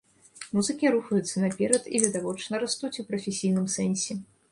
Музыкі рухаюцца наперад і, відавочна, растуць у прафесійным сэнсе.